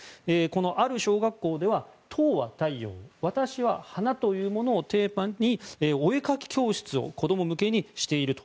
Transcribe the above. ある小学校では「党は太陽、私は花」というものをテーマにお絵かき教室を子供向けにしていると。